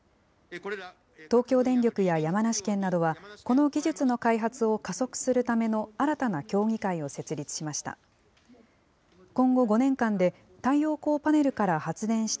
東京電力や山梨県などは、この技術の開発を加速するための新たな協議会を設立しました。